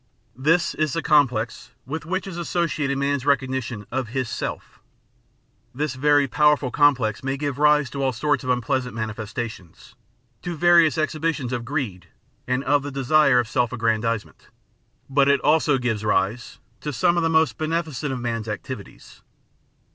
This is the complex with which is associated man's recognition of "his self." This very powerful complex may give rise to all sorts of unpleasant mani festations, to various exhibitions of greed and of the desire of self aggrandisement ; but it also gives rise to some of the most beneficent of man's activities.